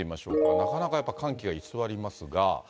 なかなかやっぱ寒気が居座りますが。